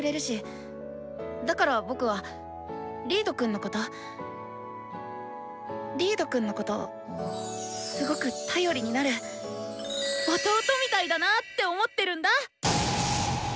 だから僕はリードくんのことリードくんのことすごく頼りになる弟みたいだなぁって思ってるんだ！